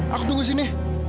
aku tunggu sini